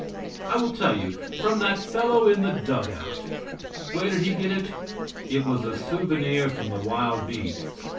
I will tell you; from that fellow in the dug out. Where did he get it? It was a souvenir from the wild beasts.